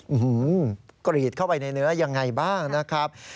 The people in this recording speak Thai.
กรีดเข้าไปในเนื้อยังไงบ้างนะครับ